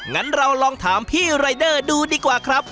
งั้นเราลองถามพี่รายเดอร์ดูดีกว่าครับ